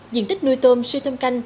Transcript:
diện tích nuôi tôm siêu thăm canh